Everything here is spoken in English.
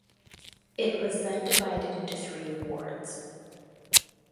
It was then divided into three wards.